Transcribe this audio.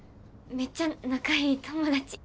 めっちゃ仲良い友達。